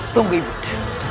tunggu ibu ndaku